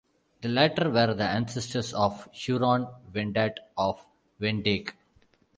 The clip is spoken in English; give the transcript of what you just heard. The latter were the ancestors of the Huron-Wendat of Wendake.